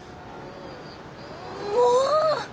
もう！